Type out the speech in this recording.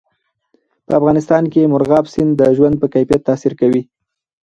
په افغانستان کې مورغاب سیند د ژوند په کیفیت تاثیر کوي.